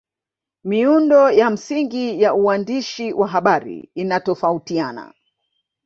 Miundo ya msingi ya uandishi wa habari inatofautiana